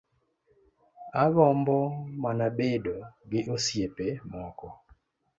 Agombo mana bedo gi osiepe moko